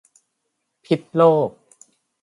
พิดโลก